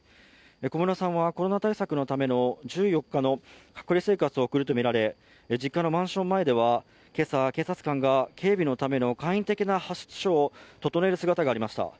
小室さんはコロナ対策のための１４日の隔離生活を送るとみられ実家のマンション前では今朝、警察官が警備のための簡易的な派出所を整える姿がありました。